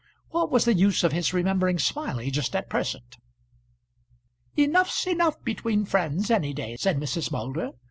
What was the use of his remembering Smiley just at present? "Enough's enough between friends any day," said Mrs. Moulder.